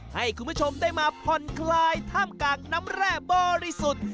ให้คุณผู้ชมได้มาผ่อนคลายท่ามกลางน้ำแร่บริสุทธิ์